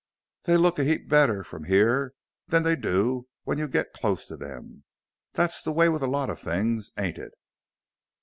They look a heap better from here than they do when you get close to them. That's the way with lots of things, ain't it?"